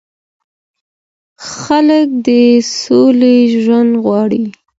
خلګ د سولې ژوند غواړي